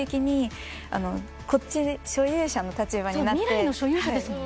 未来の所有者ですもんね。